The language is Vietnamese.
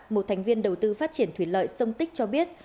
một thành viên đầu tư phát triển thủy lợi sông tích cho biết